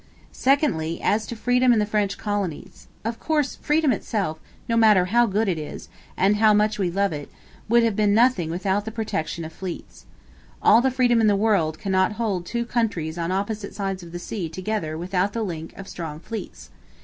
Secondly, as to freedom in the French colonies. Of course, freedom itself, no matter how good it is and how much we love it, would have been nothing without the protection of fleets. All the freedom in the world cannot hold two countries on opposite sides of the sea together without the link of strong fleets.